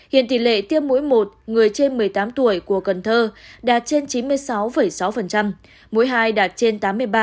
hiện tỷ lệ tiêm mũi một người trên một mươi tám tuổi của cần thơ đạt trên chín mươi sáu sáu mũi hai đạt trên tám mươi ba